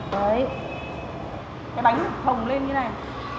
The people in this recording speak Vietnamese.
đấy cái bánh thồng lên như thế này